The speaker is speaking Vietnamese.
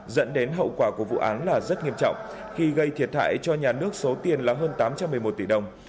dẫn đến hậu quả của vụ án là rất nghiêm trọng khi gây thiệt hại cho nhà nước số tiền là hơn tám trăm một mươi một tỷ đồng